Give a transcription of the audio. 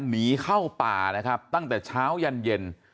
หนีเข้าป่านะครับตั้งแต่เช้ายันเย็น